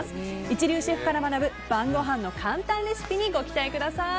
一流シェフから学ぶ晩ごはんの簡単レシピにご期待ください。